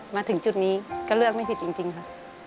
มาถึงจุดนี้ก็เลือกไม่ผิดจริงค่ะ